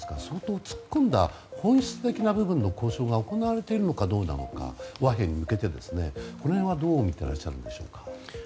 相当突っ込んだ本質的な部分の交渉が行われているのかどうなのか和平に向けて、これはどう見ていらっしゃいますか。